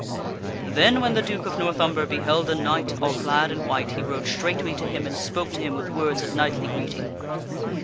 Then when the Duke of North Umber beheld a knight all clad in white, he rode straightway to him and spoke to him with words of knightly greeting.